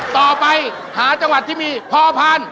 ต่อไปหาจังหวัดที่มีพอพร